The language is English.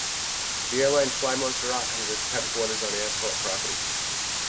The airline FlyMontserrat has its headquarters on the airport property.